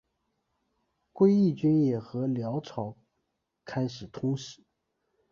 归义军也和辽朝开始通使。